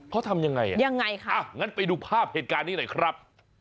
เขาทำยังไงอ่ะยังไงคะอ่ะงั้นไปดูภาพเหตุการณ์นี้หน่อยครับ